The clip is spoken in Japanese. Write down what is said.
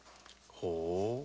ほう。